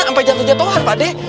sampai jatuh jatuhan pak de